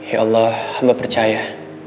ya allah haba percaya